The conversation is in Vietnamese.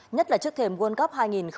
nhất là trước thềm world cup hai nghìn hai mươi